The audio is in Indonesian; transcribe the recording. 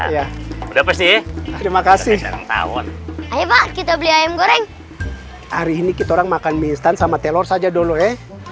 ya udah pasti ya terima kasih ayo pak kita beli ayam goreng hari ini kita makan mie instan sama telur saja dulu ya